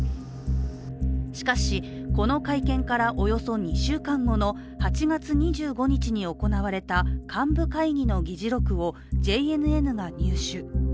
しかし、この会見からおよそ２週間後の８月２５日に行われた幹部会議の議事録をＪＮＮが入手。